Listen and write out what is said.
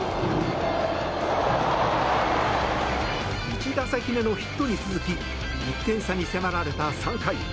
１打席目のヒットに続き１点差に迫られた３回。